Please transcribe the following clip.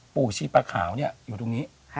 ปู่ชีพระขาวนี่อยู่ตรงนี้